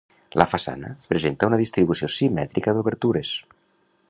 La façana presenta una distribució simètrica d'obertures.